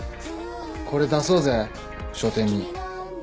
これ出そうぜ書展に。